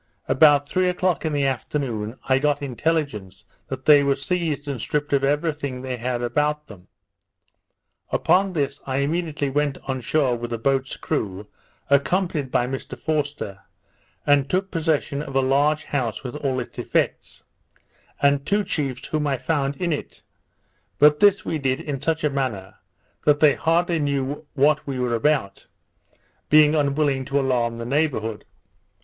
About three o'clock in the afternoon, I got intelligence that they were seized and stripped of every thing they had about them. Upon this I immediately went on shore with a boat's crew, accompanied by Mr Forster, and took possession of a large house with all its effects, and two chiefs whom I found in it; but this we did in such a manner, that they hardly knew what we were about, being unwilling to alarm the neighbourhood.